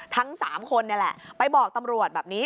ทั้ง๓คนนี่แหละไปบอกตำรวจแบบนี้